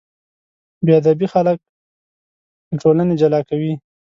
بېادبي خلک له ټولنې جلا کوي.